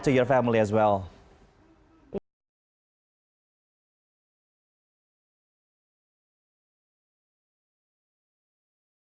terima kasih banyak telah berbicara dengan anda